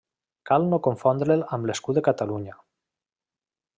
Cal no confondre'l amb l'escut de Catalunya.